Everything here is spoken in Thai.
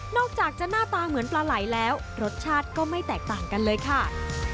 อกจากจะหน้าตาเหมือนปลาไหลแล้วรสชาติก็ไม่แตกต่างกันเลยค่ะ